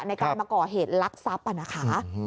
ในการมาก่อเหตุลักษัพนะคะ